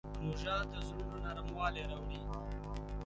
روژه د زړونو نرموالی راوړي.